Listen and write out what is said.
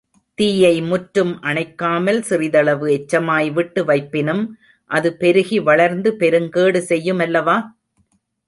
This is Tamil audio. தீயை முற்றும் அணைக்காமல் சிறிதளவு எச்சமாய் விட்டு வைப்பினும், அது பெருகி வளர்ந்து பெருங்கேடு செய்யுமல்லவா?